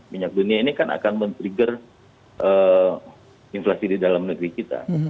minyak dunia ini kan akan men trigger inflasi di dalam negeri kita